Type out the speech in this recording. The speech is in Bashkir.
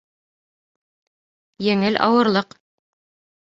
Еңел ауырлыҡ